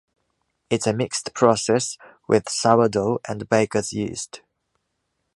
It’s a mixed process with sourdough and baker’s yeast.